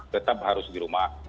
tetap harus di rumah